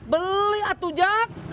beli atuh jack